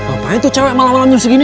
apaan itu cewek malah malah nyuruh segini